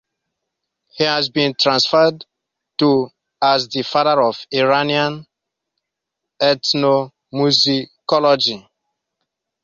He has been referred to as the "Father of Iranian Ethnomusicology".